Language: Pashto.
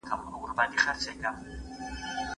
اسلام فطري غوښتنې په پام کي نیسي.